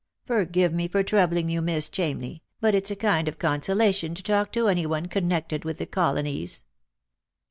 For give me troubling you, Miss Chamney, but it's a kind of con solation to talk to any one connected with the colonies."